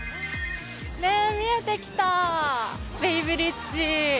ねえ見えてきたベイブリッジ。